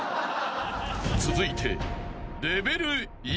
［続いて］